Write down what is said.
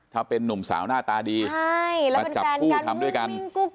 ถ้าเป็นนุ่มสาวหน้าตาดีมาจับคู่ทำด้วยกัน